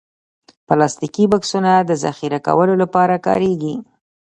پلاستيکي بکسونه د ذخیره کولو لپاره کارېږي.